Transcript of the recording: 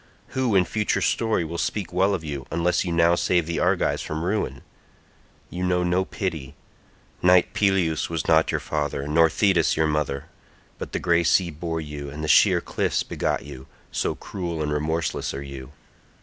Who in future story will speak well of you unless you now save the Argives from ruin? You know no pity; knight Peleus was not your father nor Thetis your mother, but the grey sea bore you and the sheer cliffs begot you, so cruel and remorseless are you.